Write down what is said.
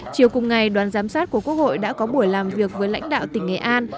chiều cùng ngày đoàn giám sát của quốc hội đã có buổi làm việc với lãnh đạo tỉnh nghệ an